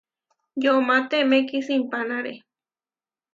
Yomá temé kisimpánare.